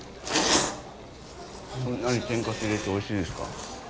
そんなに天かす入れておいしいですか？